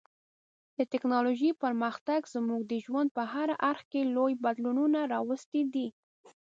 د ټکنالوژۍ پرمختګ زموږ د ژوند په هر اړخ کې لوی بدلونونه راوستي دي.